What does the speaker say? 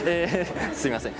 すいません。